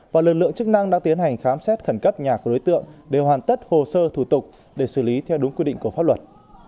và lực lượng chức năng đã tiến hành khám xét khẩn cấp nhà của đối tượng để hoàn tất hồ sơ thủ tục để xử lý theo đúng quy định của pháp luật